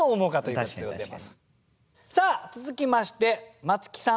さあ続きましてまつきさん